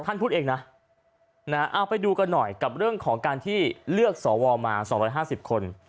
ท่านพูดเองนะเอาไปดูกันหน่อยกับเรื่องของการที่เลือกสวมา๒๕๐คน